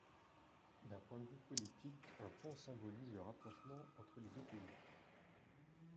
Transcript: D'un point de vue politique, un pont symbolise le rapprochement entre les deux pays.